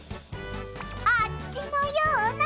あっちのような。